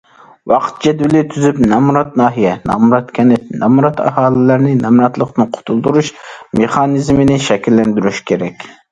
ۋاقىت جەدۋىلى تۈزۈپ، نامرات ناھىيە، نامرات كەنت، نامرات ئاھالىلەرنى نامراتلىقتىن قۇتۇلدۇرۇش مېخانىزمىنى شەكىللەندۈرۈش كېرەك.